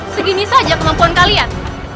segini saja kemampuan kalian